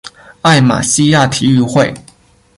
艾马希亚体育会。